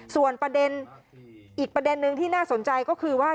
ส่วนประเด็นอีกประเด็นนึงที่น่าสนใจก็คือว่า